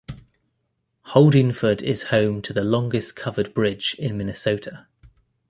Holdingford is home to the longest covered bridge in Minnesota.